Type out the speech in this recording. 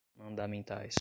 mandamentais